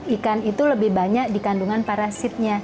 ikan itu lebih banyak dikandungan parasitnya